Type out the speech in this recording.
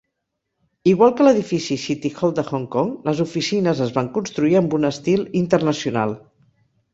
Igual que l'edifici City Hall de Hong Kong, les oficines es van construir amb un estil internacional.